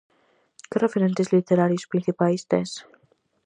Que referentes literarios principais tes?